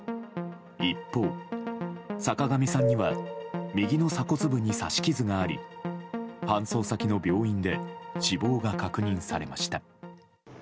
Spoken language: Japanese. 一方、坂上さんには右の鎖骨部に刺し傷があり搬送先の病院で死亡が確認されました。